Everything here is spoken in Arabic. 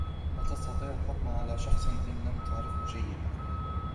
لا تستطيع الحكم على شخص إن لم تعرفه جيدا.